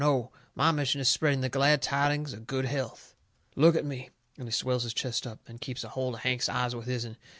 No! My mission is spreading the glad tidings of good health. Look at me," and he swells his chest up, and keeps a holt of Hank's eyes with his'n.